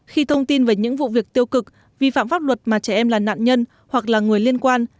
khi thông tin về những vụ việc tiêu cực vi phạm pháp luật mà trẻ em là nạn nhân hoặc là người liên quan